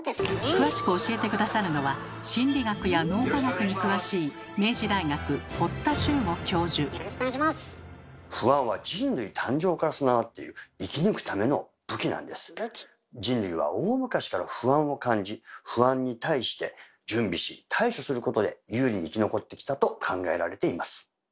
詳しく教えて下さるのは心理学や脳科学に詳しい不安に対して準備し対処することで有利に生き残ってきたと考えられています。